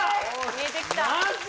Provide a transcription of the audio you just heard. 見えてきたマジ？